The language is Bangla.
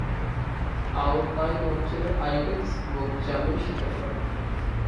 আলপাইন অঞ্চলে আইবেক্স এবং চামোই শিকার করা হত।